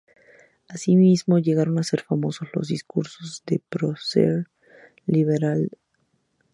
Asimismo, llegaron a ser famosos los discursos del prócer liberal Salustiano Olózaga.